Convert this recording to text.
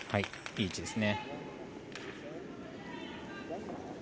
いい位置ですね。